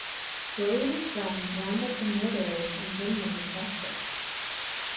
Billy and his friends round up the murderers and bring them to justice.